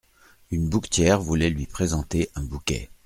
Une bouquetière voulait lui présenter un bouquet.